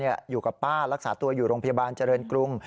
อยู่กับป้ารักษาตัวอยู่โรงพยาบาลเจริญกรุง